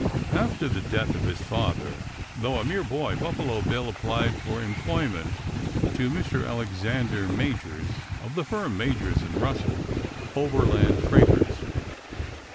After the death of his father, though a mere boy, Buffalo Bill applied for employment to Mr. Alexander Majors of the firm of Majors & Russell, overland freighters.